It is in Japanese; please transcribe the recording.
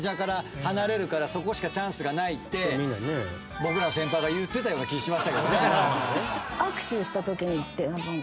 「て僕らの先輩が言ってたような気しましたけどね」「あ！」